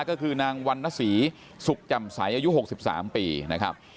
ก็คือนางวันนศรีสุขแจ่มใสอายุ๖๓ปีนะครับ